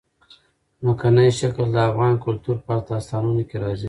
ځمکنی شکل د افغان کلتور په داستانونو کې راځي.